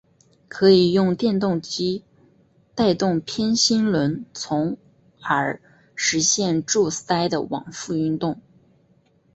可以用电动机带动偏心轮从而实现柱塞的往复运动。